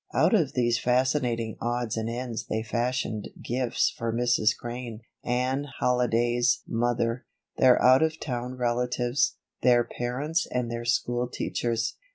Out of these fascinating odds and ends they fashioned gifts for Mrs. Crane, Anne Halliday's mother, their out of town relatives, their parents and their school teachers.